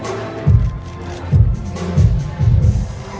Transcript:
สโลแมคริปราบาล